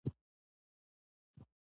افغانستان کې نورستان د خلکو د خوښې وړ ځای دی.